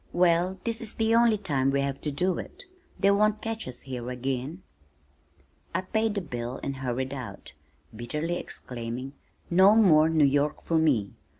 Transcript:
"Well, this is the only time we have to do it. They won't catch us here again." I paid the bill and hurried out, bitterly exclaiming, "No more New York for me.